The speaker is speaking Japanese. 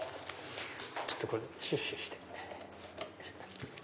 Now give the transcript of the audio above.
ちょっとシュッシュして。